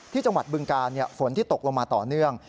ที่จังหวัดบึงกาลฝนที่ตกลงมาต่อเนื่อง